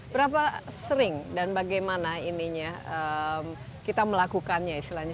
berapa sering dan bagaimana ininya kita melakukannya istilahnya